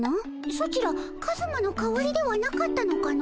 ソチらカズマの代わりではなかったのかの。